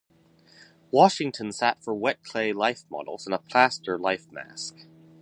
Washington sat for wet clay life models and a plaster life mask.